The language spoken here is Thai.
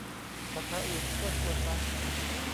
สาขาอื่นก็ชวนนะ